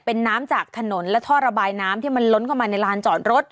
เป็นน้ำจากถนนและท่อระบายน้ำที่มันล้นเข้ามาในลานจอดรถ